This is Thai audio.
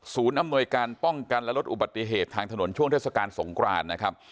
อำนวยการป้องกันและลดอุบัติเหตุทางถนนช่วงเทศกาลสงครานนะครับ